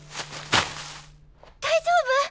大丈夫！？